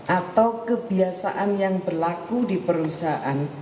atau kebiasaan yang berlaku di perusahaan